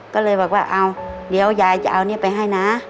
ก็เลยบอกว่าเอาเดี๋ยวยายจะเอานี้ไปให้นะ